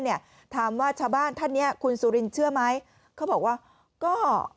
เนี่ยถามว่าชาวบ้านท่านเนี้ยคุณสุรินเชื่อไหมเขาบอกว่าก็